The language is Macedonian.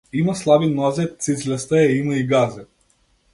Има слаби нозе, цицлеста е, има и газе.